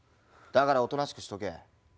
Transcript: だからおとなしくしとけ。